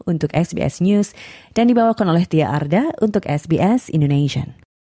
untuk xbs news dan dibawakan oleh tia arda untuk sbs indonesian